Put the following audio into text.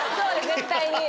絶対に。